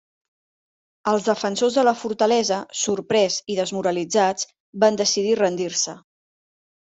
Els defensors de la fortalesa, sorprès i desmoralitzats, van decidir rendir-se.